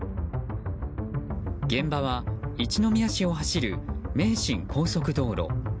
現場は一宮市を走る名神高速道路。